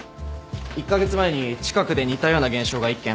１カ月前に近くで似たような現象が１件。